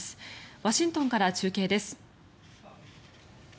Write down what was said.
ワシントンから中継です。